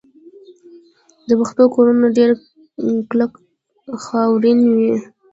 د پښتنو کورونه ډیر کلک او خاورین وي.